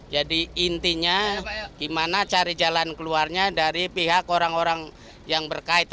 jadi intinya gimana cari jalan keluarnya dari pihak orang orang yang berkait